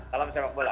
salam sepak bola